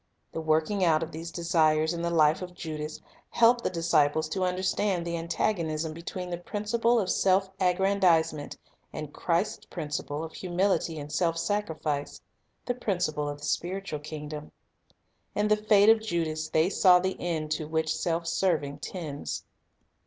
The working out of these desires in the life of Judas, helped the disciples to understand the antagonism between the principle of self aggrandizement and Christ's principle of humility and self sacrifice, — the principle of the spiritual king dom. In the fate of Judas they saw the end to which self serving tends.